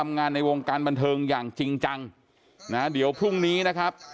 งานในวงการบันเทิงอย่างจริงจังนะเดี๋ยวพรุ่งนี้นะครับ